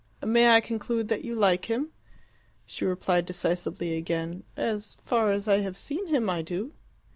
"May I conclude that you like him?" She replied decisively again, "As far as I have seen him, I do."